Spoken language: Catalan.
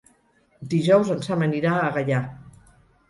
Dijous en Sam anirà a Gaià.